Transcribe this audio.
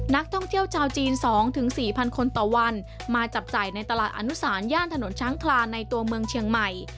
นักท่องเที่ยวชาวจีน๒๔๐๐คนต่อวันมาจับจ่ายในตลาดอนุสารย่านถนนช้างคลานในตัวเมืองเชียงใหม่